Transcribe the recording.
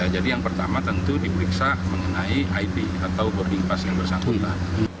jadi yang pertama tentu diperiksa mengenai id atau boarding pass yang bersangkutan